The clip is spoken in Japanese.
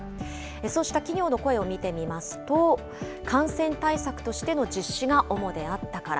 そうした企業の声を見てみますと、感染対策としての実施が主であったから。